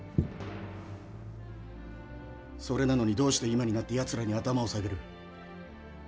それなのにどうして今になってヤツらに頭を下げる！？